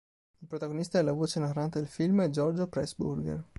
Il protagonista e la voce narrante del film è Giorgio Pressburger.